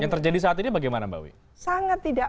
yang terjadi saat ini bagaimana mbak wi sangat tidak